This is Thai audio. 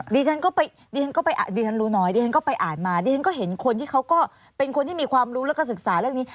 ดีฉันรู้น้อยดีฉันก็ไปอ่านมาดีฉันก็เห็นคนที่เขาก็เป็นคนที่มีความรู้และก็ศึกษาเรื่องนี้